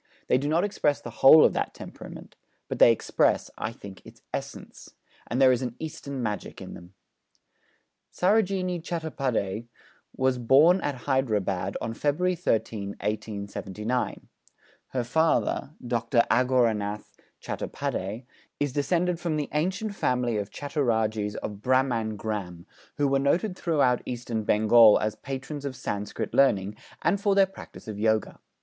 They do not express the whole of that temperament; but they express, I think, its essence; and there is an Eastern magic in them. Sarojini Chattopâdhyây was born at Hyderabad on February 13, 1879. Her father, Dr. Aghorenath Chattopâdhyây, is descended from the ancient family of Chattorajes of Bhramangram, who were noted throughout Eastern Bengal as patrons of Sanskrit learning, and for their practice of Yoga.